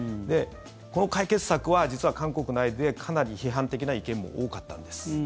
この解決策は、実は韓国内でかなり批判的な意見も多かったんです。